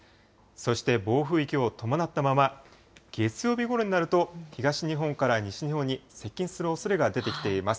そして暴風域を伴ったまま、月曜日ごろになると、東日本から西日本に接近するおそれが出てきています。